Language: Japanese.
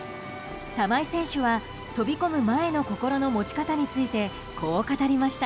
玉井選手は飛び込む前の心の持ち方についてこう語りました。